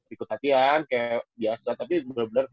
ikut latihan kayak biasa tapi bener bener